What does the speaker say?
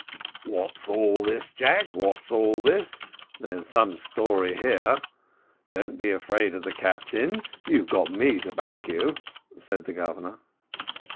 "What's all this, Jack what's all this? there's some story here don't be afraid of the captain you've me to back you," said the Governor.